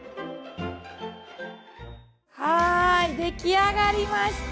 はい出来上がりました。